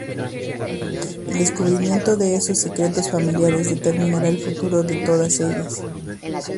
El descubrimiento de esos secretos familiares determinará el futuro de todas ellas.